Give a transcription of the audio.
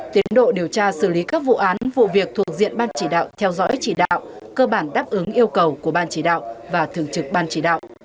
tiến độ điều tra xử lý các vụ án vụ việc thuộc diện ban chỉ đạo theo dõi chỉ đạo cơ bản đáp ứng yêu cầu của ban chỉ đạo và thường trực ban chỉ đạo